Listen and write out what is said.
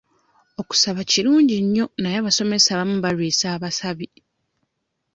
Okusaba kirungi nnyo naye abasomesa abamu balwisa abasabi.